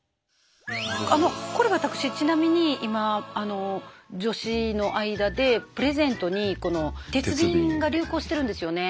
あのこれ私ちなみに今女子の間でプレゼントにこの鉄瓶が流行してるんですよね。